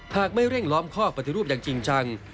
หากไม่เร่งล้อมข้อปฏิรูปอย่างจริงจัง